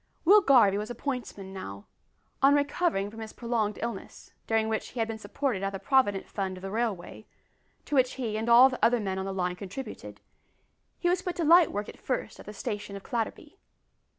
Will Garvie was a pointsman now. On recovering from his prolonged illness, during which he had been supported out of the Provident Fund of the railway to which he and all the other men on the line contributed he was put to light work at first at the station of Clatterby.